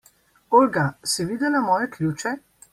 Olga, si videla moje ključe?